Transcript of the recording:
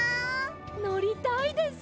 のりたいです！